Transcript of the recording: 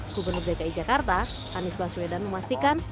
gubernur dki jakarta anies baswedan memastikan